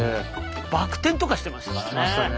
バク転とかしてましたから。